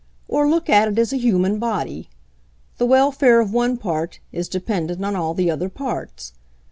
"Or look at it as a human body. The welfare of one part is dependent on all the other parts.